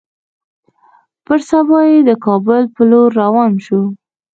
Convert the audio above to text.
پر سبا يې د کابل پر لور روان سو.